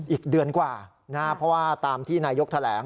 อีกเดือนกว่าเพราะว่าตามที่นายกแถลง